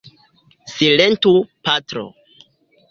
Silentu, patro!